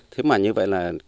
thế mà như vậy là